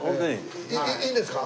いいんですか？